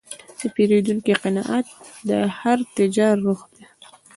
د پیرودونکي قناعت د هر تجارت روح دی.